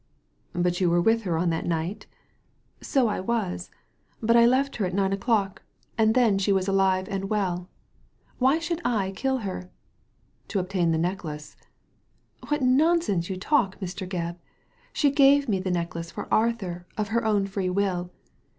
But you were with her on that night? "" So I was ; but I left her at nine o'clock, and Digitized by Google AN EXPLANATION 173 then she was alive and well Why should I kill her?" "To obtain the necklace. * What nonsense you talk, Mr. Gebb. She gave me the necklace for Arthur, of her own free will.